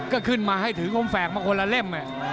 ก็ขึ้นมาให้ถือคมแฝกมาคนละเล่ม